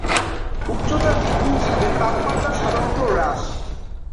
উচ্চতা বৃদ্ধি হিসাবে তাপমাত্রা সাধারণত হ্রাস।